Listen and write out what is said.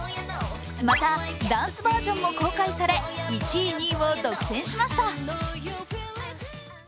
また、ダンスバージョンも公開され１位、２位を独占しました。